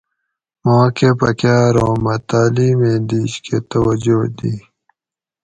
ماکہ پکاۤر اُوں مۤہ تعلیمیں دِیش کہ توجہ دی